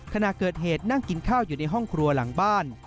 ขณะเกิดเหตุนั่งกินข้าวอยู่ในห้องครัวหลังบ้าน